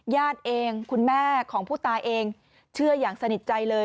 ญาติเองคุณแม่ของผู้ตายเองเชื่ออย่างสนิทใจเลย